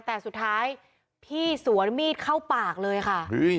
แต่สุดท้ายพี่สวนมีดเข้าปากเลยค่ะ